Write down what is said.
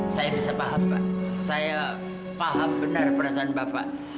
saya bisa paham pak saya paham benar perasaan bapak